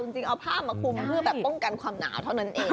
แต่ป้องกันความหนาวเท่านั้นเอง